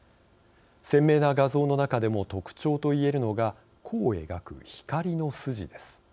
鮮明な画像の中でも特徴といえるのが弧を描く光の筋です。